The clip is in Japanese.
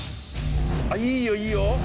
あっいいよいいよ！